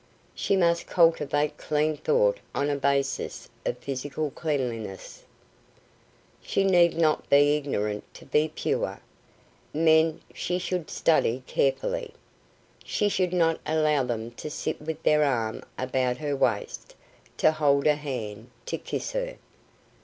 _ She must cultivate clean thought on a basis of physical cleanliness. She need not be ignorant to be pure. Men she should study carefully. She should not allow them to sit with their arm about her waist, to hold her hand, to kiss her.